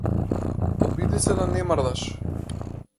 Обиди се да не мрдаш.